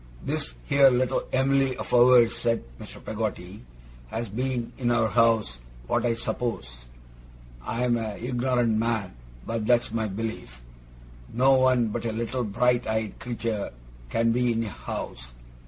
'This here little Em'ly of ours,' said Mr. Peggotty, 'has been, in our house, what I suppose (I'm a ignorant man, but that's my belief) no one but a little bright eyed creetur can be in a house.